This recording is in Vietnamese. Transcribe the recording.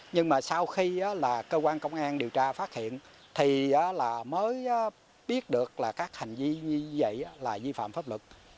nhưng mà sau khi là cơ quan công an điều tra phát hiện thì mới biết được là các hành vi như vậy là vi phạm pháp luật